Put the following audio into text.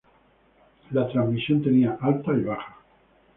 La transmisión tenía alta y baja.